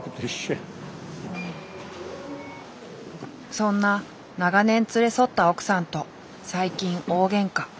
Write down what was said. そんな長年連れ添った奥さんと最近大げんか。